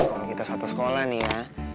kalau kita satu sekolah nih ya